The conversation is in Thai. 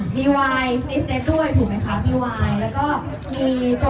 มีทั้งเซ็นที่มีทั้งหมด๕จานใช่ไหมค่ะ